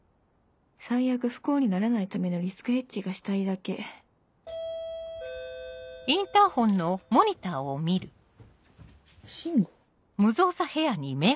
最悪不幸にならないためのリスクヘッジがしたいだけ進吾？